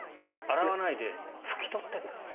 洗わないで拭き取ってください。